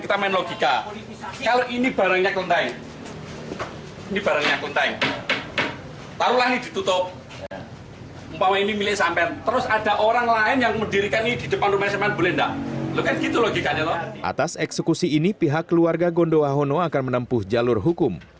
terima kasih ini pihak keluarga gondowa hono akan menempuh jalur hukum